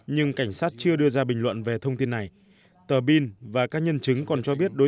nhưng cảnh sát chưa đưa ra bình luận về thông tin này tờ bin và các nhân chứng còn cho biết đối